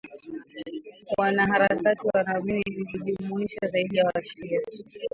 wanaharakati wanaamini lilijumuisha zaidi ya washia